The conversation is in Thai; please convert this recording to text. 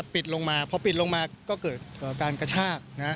พอปิดลงมาก็เกิดการกระชาก